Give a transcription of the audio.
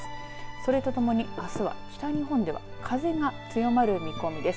それとともに、あすは北日本では風が強まる見込みです。